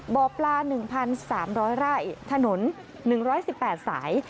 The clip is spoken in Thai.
บ่อปลา๑๓๐๐ไร่ถนน๑๑๘สาย